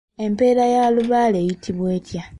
Empeera ya Lubaale eyitibwa etya?